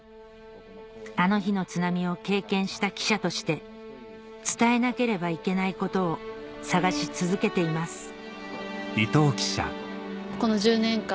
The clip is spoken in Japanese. あの日の津波を経験した記者として伝えなければいけないことを探し続けています